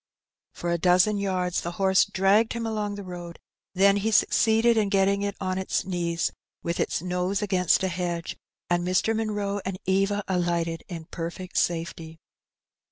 For a dozen yards the horse dragged him along the roadj then he succeeded in getting it on it^ knees with its nose against a hedge, and Mr. Munroe and Eva alighted in perfect safety.